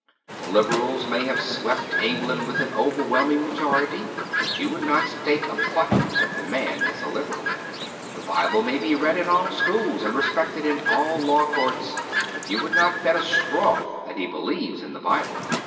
The Liberals may have swept England with an overwhelming majority ; but you would not stake a button that the man is a Liberal. The Bible may be read in all schools and respected in all law courts ; but you would not bet a straw that he believes in the Bible.